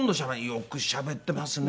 よくしゃべってますね。